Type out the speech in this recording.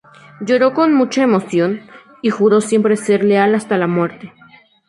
Lloró con mucha emoción, y juró siempre ser leal hasta la muerte".